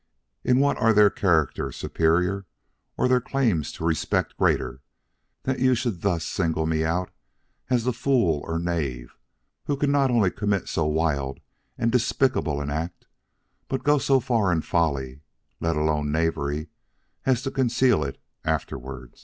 In what are their characters superior, or their claims to respect greater, that you should thus single me out as the fool or knave who could not only commit so wild and despicable an act, but go so far in folly let alone knavery as to conceal it afterward?"